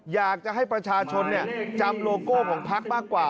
อยากจะให้ประชาชนจำโลโก้ของพักมากกว่า